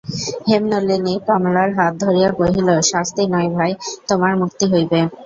হেমনলিনী কমলার হাত ধরিয়া কহিল, শাস্তি নয় ভাই, তোমার মুক্তি হইবে।